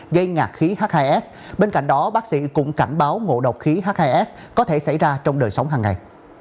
gây ngạc khí h hai s bên cạnh đó bác sĩ cũng cảnh báo ngộ độc khí h hai s có thể xảy ra trong đời sống hàng ngày